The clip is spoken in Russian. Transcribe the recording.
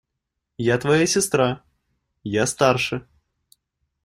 Я твоя сестра… Я старше.